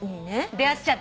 出合っちゃって。